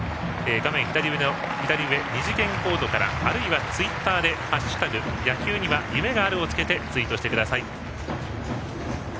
画面左上の二次元コードあるいはツイッターで「＃野球には夢がある」をつけてツイートしてください。